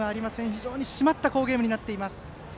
非常に締まった好ゲームになっています。